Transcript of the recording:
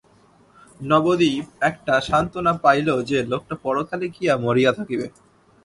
নবদ্বীপ একটা সান্ত্বনা পাইল যে, লোকটা পরকালে গিয়া মরিয়া থাকিবে।